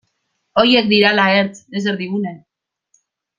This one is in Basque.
Horiek direla ertz, ez erdigune.